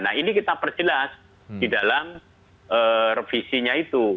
nah ini kita perjelas di dalam revisinya itu